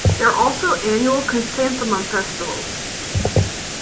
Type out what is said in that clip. There are also annual Chrysanthemum festivals.